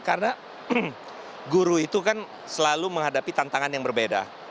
karena guru itu kan selalu menghadapi tantangan yang berbeda